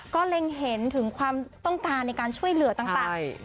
ก็เล็งเห็นถึงความต้องการในการช่วยเหลือต่าง